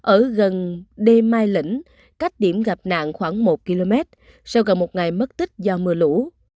ở gần đê mai lĩnh cách điểm gặp nạn khoảng một km sau gần một ngày mất tích do mưa lũ